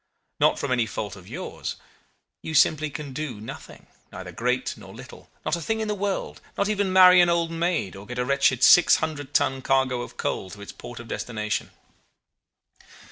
Not from any fault of yours. You simply can do nothing, neither great nor little not a thing in the world not even marry an old maid, or get a wretched 600 ton cargo of coal to its port of destination.